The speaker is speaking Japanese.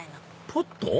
ポット？